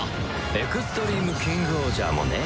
エクストリームキングオージャーもねえ。